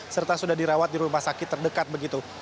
serta sudah dirawat di rumah sakit terdekat begitu